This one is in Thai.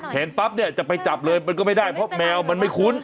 เห็นปั๊บเนี่ยจะไปจับเลยมันก็ไม่ได้เพราะแมวมันไม่คุ้น